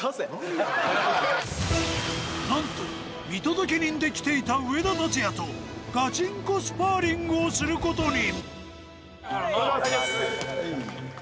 なんと、見届け人で来ていた上田竜也とガチンコスパーリングをすることに。